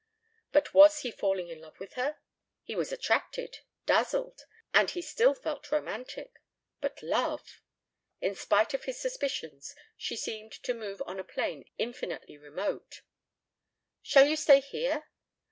But was he falling in love with her? He was attracted, dazzled, and he still felt romantic. But love! In spite of his suspicions she seemed to move on a plane infinitely remote. "Shall you stay here?"